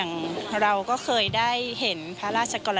ที่มีโอกาสได้ไปชม